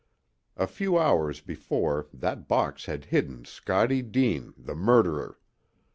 A few hours before that box had hidden Scottie Deane, the murderer.